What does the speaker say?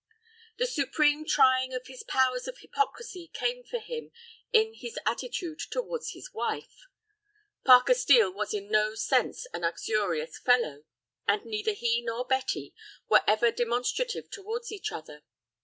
The supreme trying of his powers of hypocrisy came for him in his attitude towards his wife. Parker Steel was in no sense an uxorious fellow, and neither he nor Betty were ever demonstrative towards each other.